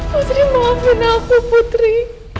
putri maafin aku putri